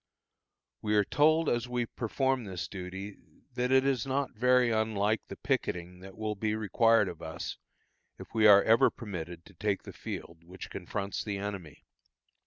We are told, as we perform this duty, that it is not very unlike the picketing that will be required of us if we are ever permitted to take the field which confronts the enemy.